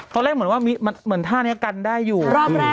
เขาเร่งทนว่ามันท่านี้กันได้อยู่